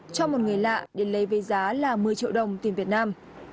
cho một người lạ để lấy với giá là một mươi triệu đồng tiền việt nam